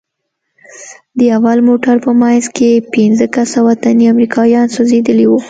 د اول موټر په منځ کښې پينځه کسه وطني امريکايان سوځېدلي وو.